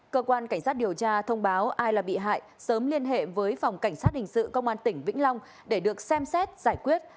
cơ quan cảnh sát điều tra thông báo ai là bị hại sớm liên hệ với phòng cảnh sát hình sự công an tỉnh vĩnh long để được xem xét giải quyết